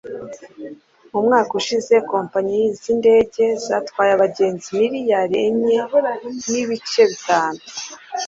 Mu mwaka ushize kompanyi z'indege zatwaye abagenzi miliyari enye nubice bitanu